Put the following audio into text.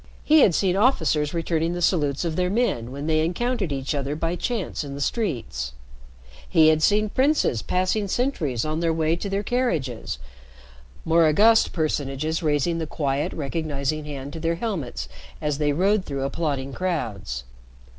He had seen officers returning the salutes of their men when they encountered each other by chance in the streets, he had seen princes passing sentries on their way to their carriages, more august personages raising the quiet, recognizing hand to their helmets as they rode through applauding crowds.